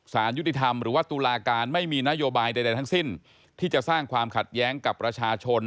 สารยุติธรรมหรือว่าตุลาการไม่มีนโยบายใดทั้งสิ้นที่จะสร้างความขัดแย้งกับประชาชน